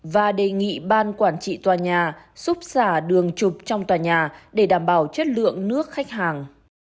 và đề nghị ban quản trị tòa nhà xúc xả đường chụp trong tòa nhà để đảm bảo chất lượng nước khách hàng